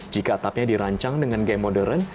jika atapnya dirancang dengan game modern